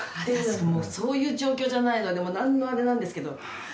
私もうそういう状況じゃないのでなんもあれなんですけど。